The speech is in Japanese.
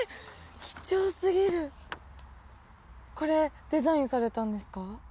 貴重すぎるこれデザインされたんですか？